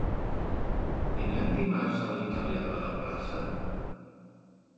Dinem dimarts a l'italià de la plaça?